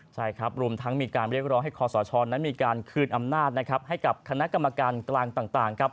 ใช่ครับรวมทั้งมีการเรียกร้องให้คอสชนั้นมีการคืนอำนาจนะครับให้กับคณะกรรมการกลางต่างครับ